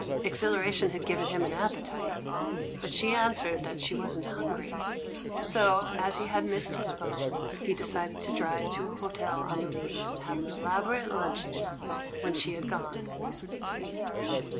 Exhilaration had given him an appetite, but she answered that she wasn't hungry; so, as he had missed his boat, he decided to drive to an hotel on the Leas and have an elaborate luncheon when she had gone.